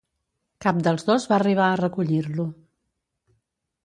Cap dels dos va arribar a recollir-lo.